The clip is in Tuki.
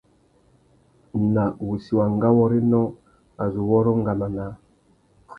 Nà wussi wa ngawôrénô, a zu wôrrô ngama naā.